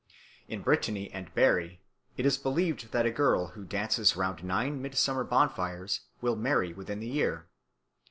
In Brittany and Berry it is believed that a girl who dances round nine midsummer bonfires will marry within the year.